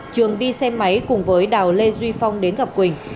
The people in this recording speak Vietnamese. trường đi xe máy cùng với đào lê duy phong đến gặp quỳnh